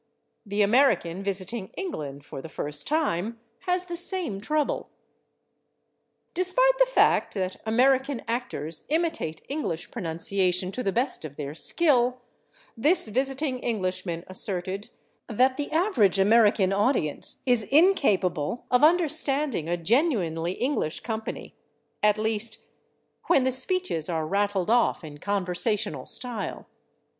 The American visiting England for the first time has the same trouble." Despite the fact that American actors imitate English pronunciation to the best of their skill, this visiting Englishman asserted that the average American audience is incapable of understanding a genuinely English company, at least "when the speeches are rattled off in conversational style."